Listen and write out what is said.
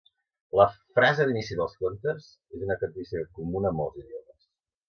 La "frase d'inici dels contes" és una característica comuna en molts idiomes.